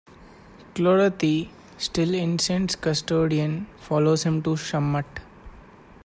Klorathy, still Incent's custodian, follows him to Shammat.